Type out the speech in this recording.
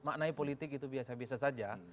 maknai politik itu biasa biasa saja